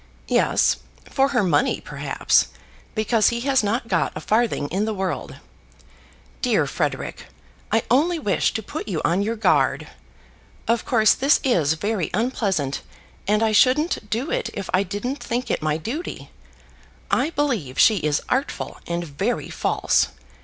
"Yes, for her money, perhaps; because he has not got a farthing in the world. Dear Frederic, I only wish to put you on your guard. Of course this is very unpleasant, and I shouldn't do it if I didn't think it my duty. I believe she is artful and very false.